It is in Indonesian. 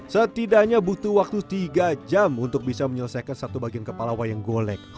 setidaknya butuh waktu tiga jam untuk bisa menyelesaikan satu bagian kepala wayang golek